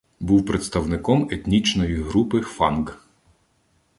Був представником етнічної групи фанґ.